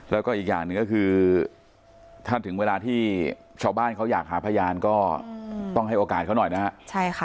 แล้วก็อีกอย่างหนึ่งก็คือถ้าถึงเวลาที่ชาวบ้านเขาอยากหาพยานก็ต้องให้โอกาสเขาหน่อยนะฮะใช่ค่ะ